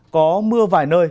có mưa vài nơi